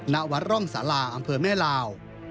ณวัดร่องสาราอำเภอแม่ลาว